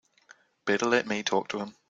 Better let me talk to him.